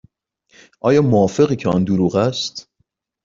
آیا موافقی که آن دروغ است؟